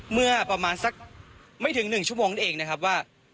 เมื่อประมาณสักไม่ถึง๑ชั่วโมงนี้เองนะครับว่า